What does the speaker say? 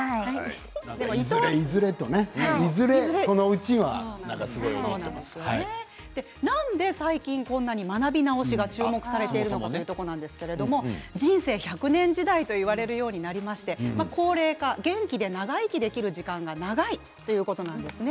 いずれと思っていずれそのうちはと最近学び直しが注目されているのかということなんですが人生１００年時代と言われていまして高齢化、元気で長生きできる時間が長いということなんですね。